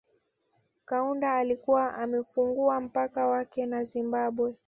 Kaunda alikuwa amefungua mpaka wake na Zimbabwe